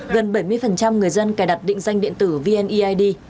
gần bảy mươi người dân cài đặt định danh điện tử vneid